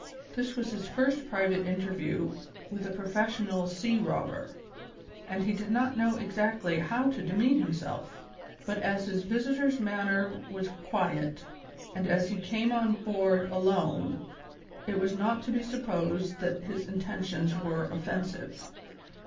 This was his first private interview with a professional sea robber, and he did not know exactly how to demean himself; but as his visitor's manner was quiet, and as he came on board alone, it was not to be supposed that his intentions were offensive.